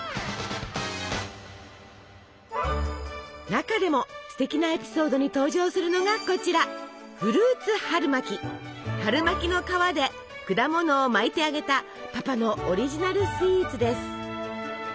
中でもすてきなエピソードに登場するのがこちら春巻きの皮で果物を巻いて揚げたパパのオリジナルスイーツです。